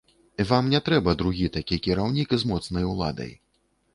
Вам не трэба другі такі кіраўнік з моцнай уладай.